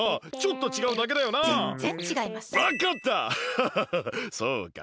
ハハハそうか！